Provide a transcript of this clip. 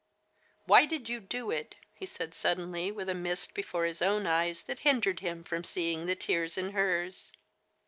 Why did you do it ?" he said suddenly, with a mist before his own eyes that hindered him from seeing the tears in hers.